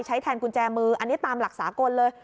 ใช้แทนกุญแจมืออันนี้ตามหลักสากลเลย